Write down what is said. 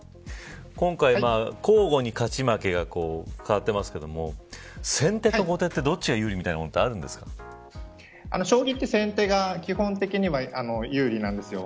今回、交互に勝ち負けが変わっていますけれども先手と後手って、どっちが有利将棋って先手が基本的には有利なんですよ。